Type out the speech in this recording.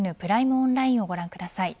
オンラインをご覧ください。